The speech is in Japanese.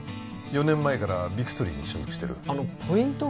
４年前からビクトリーに所属してるあのポイント